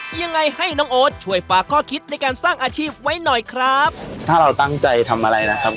ยังไงให้น้องโอ๊ตช่วยฝากข้อคิดในการสร้างอาชีพไว้หน่อยครับถ้าเราตั้งใจทำอะไรนะครับ